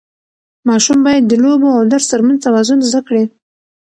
ماشوم باید د لوبو او درس ترمنځ توازن زده کړي.